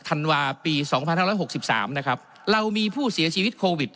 ธันวาส์ปีสองพันห้าร้อยหกสิบสามนะครับเรามีผู้เสียชีวิตโควิด